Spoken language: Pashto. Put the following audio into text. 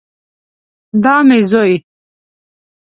دا مې زوی